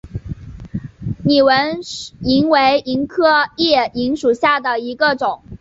拟纹萤为萤科熠萤属下的一个种。